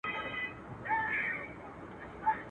بېگانه مو په مابین کي عدالت دئ.